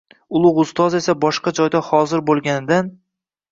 Ulug‘ Ustoz esa boshqa joyda hozir bo‘lganidan